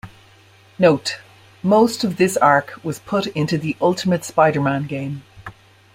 Note: Most of this arc was put into the Ultimate Spider-man game.